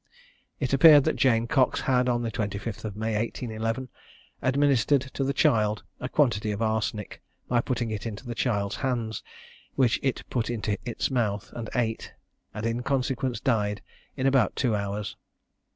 It appeared that Jane Cox had, on the 25th of May, 1811, administered to the child a quantity of arsenic, by putting it into the child's hands, which it put into its mouth and ate, and in consequence died in about two hours.